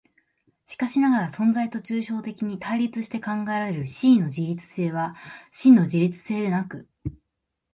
しかしながら存在と抽象的に対立して考えられる思惟の自律性は真の自律性でなく、